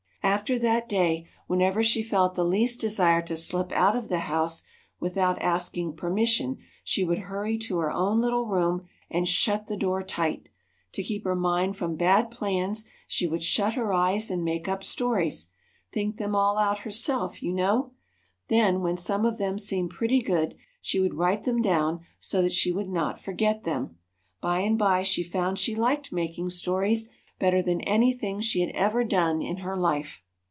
After that day, whenever she felt the least desire to slip out of the house without asking permission, she would hurry to her own little room and shut the door tight. To keep her mind from bad plans she would shut her eyes and make up stories think them all out, herself, you know. Then, when some of them seemed pretty good, she would write them down so that she would not forget them. By and by she found she liked making stories better than anything she had ever done in her life.